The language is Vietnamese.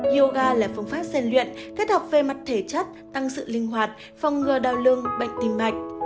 yoga là phương pháp gian luyện kết hợp về mặt thể chất tăng sự linh hoạt phòng ngừa đào lương bệnh tim mạch